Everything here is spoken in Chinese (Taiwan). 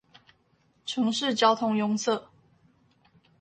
城市交通壅塞